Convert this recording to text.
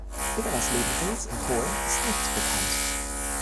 Über das Leben Reys’ in Polen ist nichts bekannt.